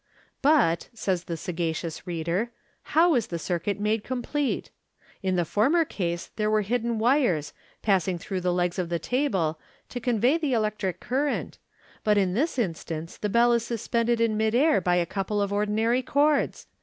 " But," says the sagacious reader, "how is the circuit made complete? In the former case there were hidden wires, passing through the legs of the table, to convey the electric cur rent, but in this instance the bell is suspended in mid air by a couple of ordinary cords.